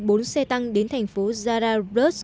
bốn xe tăng đến thành phố zara rus